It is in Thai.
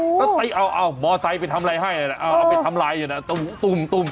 โอ้โฮแล้วตีเอามอเตอร์ไซค์ไปทำลายให้เอาไปทำลายอยู่น่ะ